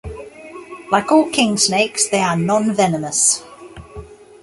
Like all kingsnakes, they are nonvenomous.